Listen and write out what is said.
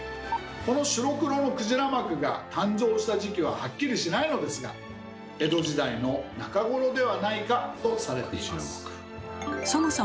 この白黒の「鯨幕」が誕生した時期ははっきりしないのですが江戸時代の中頃ではないかとされています。